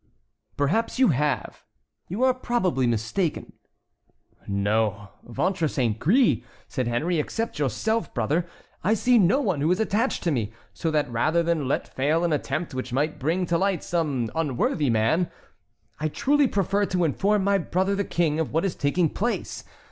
"Perhaps you have. You probably are mistaken." "No, ventre saint gris!" said Henry, "except yourself, brother, I see no one who is attached to me; so that rather than let fail an attempt which might bring to light some unworthy man, I truly prefer to inform my brother the King of what is taking place.